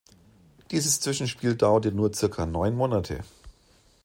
Dieses Zwischenspiel dauerte nur zirka neun Monate.